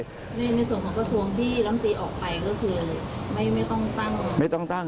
ในส่วนของกระทรวงที่รัฐมนตรีออกไปก็คือไม่ต้องตั้ง